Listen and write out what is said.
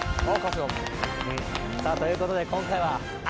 さぁということで今回は。